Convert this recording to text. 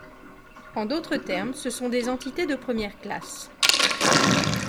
En d'autre termes, ce sont des entités de première classe.